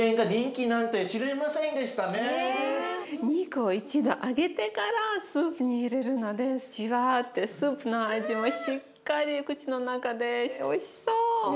肉を一度揚げてからスープに入れるのでじわってスープの味もしっかり口の中でおいしそう。ね。